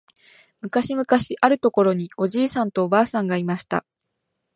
むかしむかしあるところにおじいさんとおばあさんがいました。